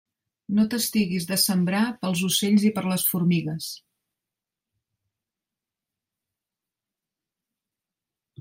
No t'estiguis de sembrar pels ocells i per les formigues.